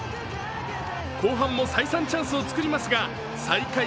後半も再三チャンスを作りますが最下位